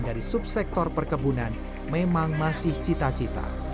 dari subsektor perkebunan memang masih cita cita